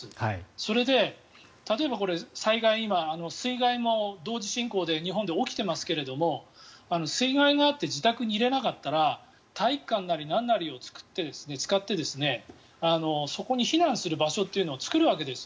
それで、例えば災害水害も同時進行で日本で起きていますが水害があって自宅にいられなかったら体育館なりなんなりを作って、使ってそこに避難する場所ってのは作るわけです。